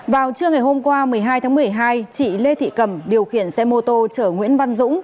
vào trưa ngày hôm qua một mươi hai tháng một mươi hai chị lê thị cầm điều khiển xe mô tô chở nguyễn văn dũng